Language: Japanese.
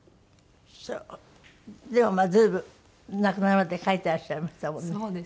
そうでもまあ随分亡くなるまで書いてらっしゃいましたもんね。